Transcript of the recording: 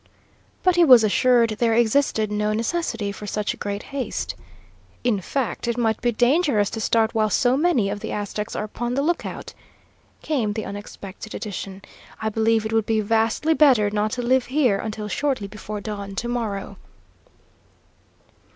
But he was assured there existed no necessity for such great haste. "In fact, it might be dangerous to start while so many of the Aztecs are upon the lookout," came the unexpected addition. "I believe it would be vastly better not to leave here until shortly before dawn, to morrow."